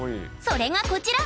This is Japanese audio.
それがこちら！